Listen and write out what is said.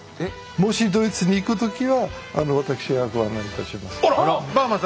もしドイツに行く時はわたくしがご案内いたします。